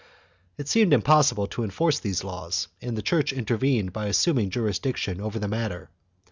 2 It seemed impossible to enforce these laws, and the Church inter vened by assuming jurisdiction over the matter.